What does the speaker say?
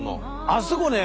あそこね